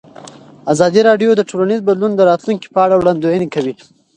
ازادي راډیو د ټولنیز بدلون د راتلونکې په اړه وړاندوینې کړې.